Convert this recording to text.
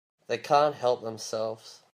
They can't help themselves.